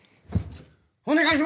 お願いします！